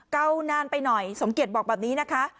เก่านานไปหน่อยสมเกียจบอกแบบนี้นะคะ